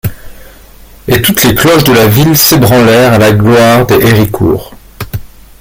Et toutes les cloches de la ville s'ébranlèrent à la gloire des Héricourt.